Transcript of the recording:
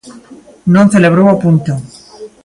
Non celebrou o punto.